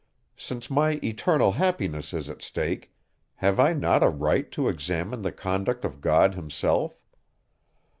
Since my eternal happiness is at stake, have I not a right to examine the conduct of God himself?